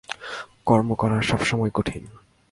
কর্ম করা সব সময়ই কঠিন।